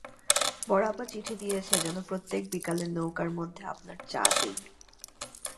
বড়আপা চিঠি দিয়েছে যেন প্রত্যেক বিকালে নৌকার মধ্যে আপনার চা দেই।